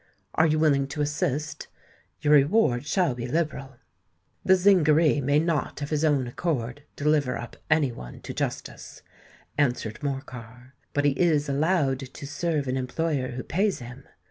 Are you willing to assist? Your reward shall be liberal." "The Zingaree may not of his own accord deliver up any one to justice," answered Morcar; "but he is allowed to serve an employer who pays him.